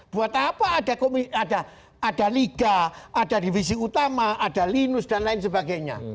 buat apa ada liga ada divisi utama ada linus dan lain sebagainya